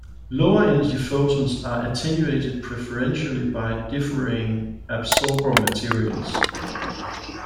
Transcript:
Lower energy photons are attenuated preferentially by differing absorber materials.